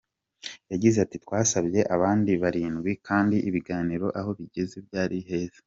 Yagize ati “Twasabye abandi barindwi kandi ibiganiro aho bigeze byari heza.